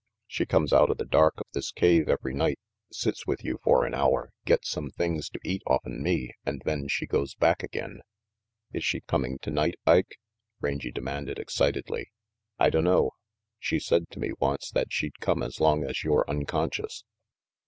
She comes outa the dark of this cave every night, sits with you for an hour, gets some things to eat off en me, and then she goes back again " "Is she coming tonight, Ike?" Rangy demanded excitedly. , V "I dunno. She said to me once that she'd come as long as you're unconscious."